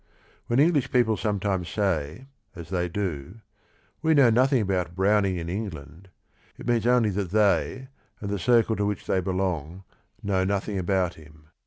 When English people some times say, as they do, "We know nothing about Browning in England," it means only that they and the circle to which they belong know noth ing about him.